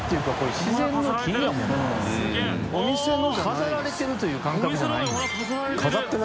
陣内）飾られてるという感覚じゃないもん。